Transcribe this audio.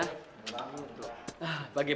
nih nih teman teman